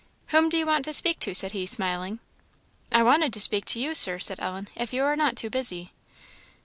"Whom do you want to speak to?" said he, smiling. "I wanted to speak to you, Sir," said Ellen, "if you are not too busy."